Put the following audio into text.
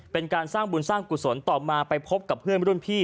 เป็นการสร้างบุญสร้างกุศลต่อมาไปพบกับเพื่อนรุ่นพี่